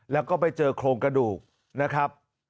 แล้วก็ไปเจอโครงกระดูกนะครับ